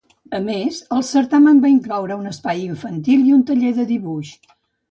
A més, el certamen va incloure un espai infantil i un taller de dibuix.